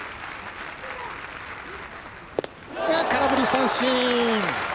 空振り三振！